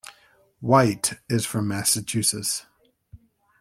White is from Massachusetts.